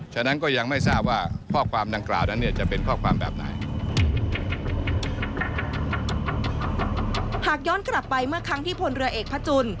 หากย้อนกลับไปเมื่อครั้งที่พลเอกพระจุล